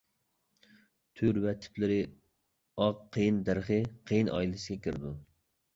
تۈر ۋە تىپلىرى ئاق قېيىن دەرىخى قېيىن ئائىلىسىگە كىرىدۇ.